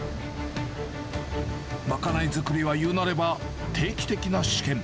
賄い作りは、いうなれば定期的な試験。